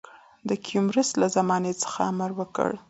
د کیومرث له زمانې څخه امر وکړ.